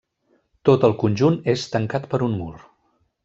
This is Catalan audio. Tot el conjunt és tancat per un mur.